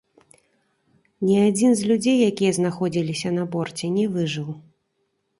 Ні адзін з людзей, якія знаходзіліся на борце, не выжыў.